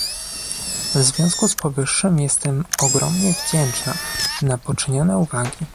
W związku z powyższym jestem ogromnie wdzięczna na poczynione uwagi